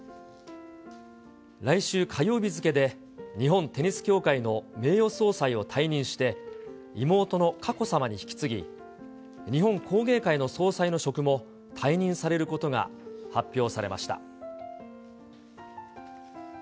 来週火曜日付けで、日本テニス協会の名誉総裁を退任して、妹の佳子さまに引き継ぎ、日本工芸会の総裁の職も退任されることが発表されました。